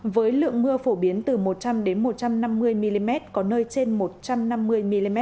với lượng mưa phổ biến từ một trăm linh một trăm năm mươi mm có nơi trên một trăm năm mươi mm